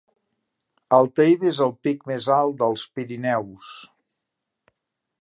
El Teide és el pic més alt dels Pirineus.